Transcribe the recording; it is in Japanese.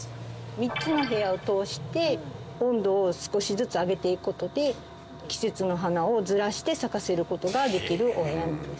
３つの部屋を通して温度を少しずつ上げていくことで季節の花をずらして咲かせることができるお部屋なんです。